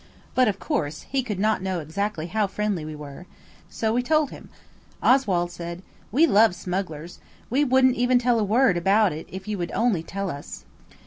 But of course he could not know exactly how friendly we were. So we told him. Oswald said– "We love smugglers. We wouldn't even tell a word about it if you would only tell us."